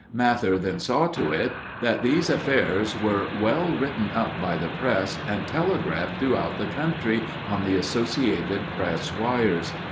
Mather then saw to it that these affairs were well written up by the press and telegraphed throughout the country on the Associated Press wires.